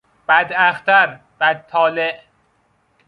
بد اختر، بد طالع